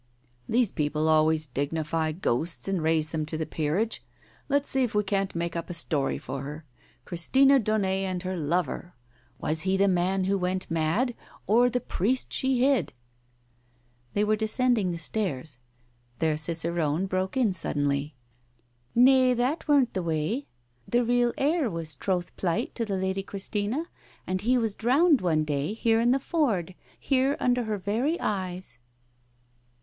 "These people always dignify ghosts and raise them to the peerage. Let's see if we can't make up a story for her. Christina Daunet and her lover — was he the man who went mad or the priest she hid ?" They were descending the stairs. Their cicerone broke in suddenly. "Nay, that weren't the way. The real heir was troth plight to the Lady Christina, and he was drowned one day here in the ford, here under her very eyes."